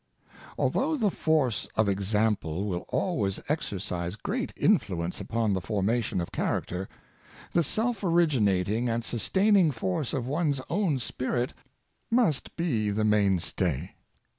Although the force of example will always exercise great influence upon the formation of character, the Force of Character. 71 self originating and sustaining force of one's own spirit must be the main stay.